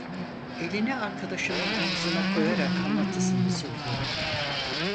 Elini arkadaşının omzuna koyarak anlatısını sürdürdü: